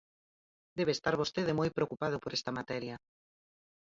Debe estar vostede moi preocupado por esta materia.